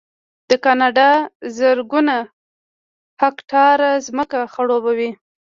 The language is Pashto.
دا کانال زرګونه هکټاره ځمکه خړوبوي